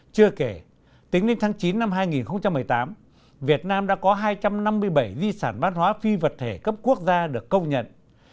chưa kể tính đến tháng chín năm hai nghìn một mươi tám việt nam đã có hai trăm năm mươi bảy di sản văn hóa phi vật thể cấp quốc gia được công nhận